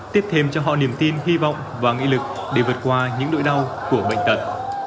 tiếp thêm cho họ niềm tin hy vọng và nghị lực để vượt qua những nỗi đau của bệnh tật